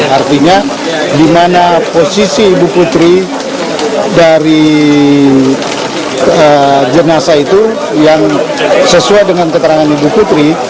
artinya di mana posisi ibu putri dari jenazah itu yang sesuai dengan keterangan ibu putri